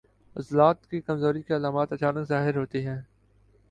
عضلات کی کمزوری کی علامات اچانک ظاہر ہوتی ہیں